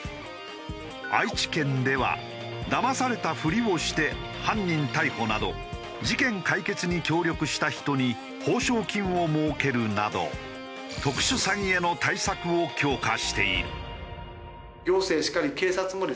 愛知県ではだまされたふりをして犯人逮捕など事件解決に協力した人に報奨金を設けるなど特殊詐欺への対策を強化している。